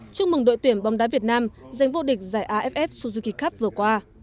chúc mừng đội tuyển bóng đá việt nam giành vô địch giải aff suzuki cup vừa qua